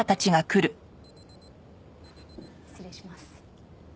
失礼します。